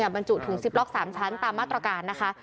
บรรจุถุงซิปล็อก๓ชั้นตามมาตรการนะคะ